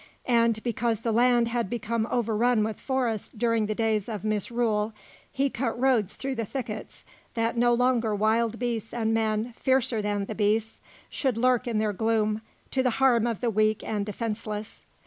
And because the land had become overrun with forest during the days of misrule, he cut roads through the thickets, that no longer wild beasts and men, fiercer than the beasts, should lurk in their gloom, to the harm of the weak and defenceless.